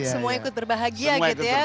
semua ikut berbahagia gitu ya